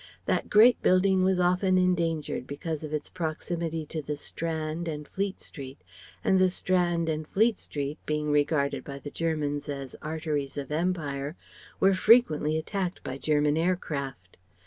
That great building was often endangered because of its proximity to the Strand and Fleet Street; and the Strand and Fleet Street, being regarded by the Germans as arteries of Empire, were frequently attacked by German air craft.